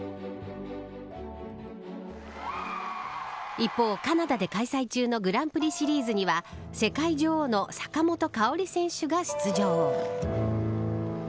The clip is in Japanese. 一方、カナダで開催中のグランプリシリーズには世界女王の坂本花織選手が出場。